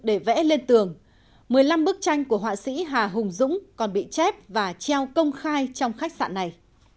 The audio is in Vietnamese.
để vẽ lên tường một mươi năm bức tranh của họa sĩ hà hùng dũng còn bị chép và treo công khai trong khách sạn này